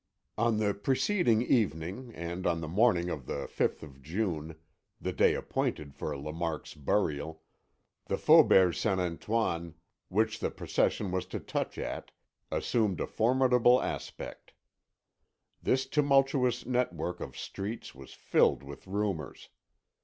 On the preceding evening, and on the morning of the 5th of June, the day appointed for Lamarque's burial, the Faubourg Saint Antoine, which the procession was to touch at, assumed a formidable aspect. This tumultuous network of streets was filled with rumors.